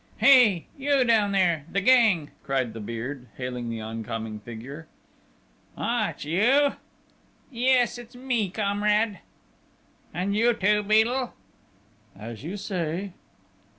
"Hey! You down there! The gang!" cried the Beard, hailing the oncoming figure. "Ah, it's you?" "Yes, it's me, comrade." "And you too, Beadle?" "As you say...."